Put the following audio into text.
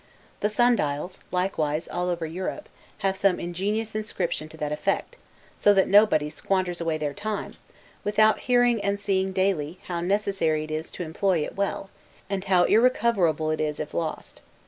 The sun dials, likewise all over Europe, have some ingenious inscription to that effect; so that nobody squanders away their time, without hearing and seeing, daily, how necessary it is to employ it well, and how irrecoverable it is if lost.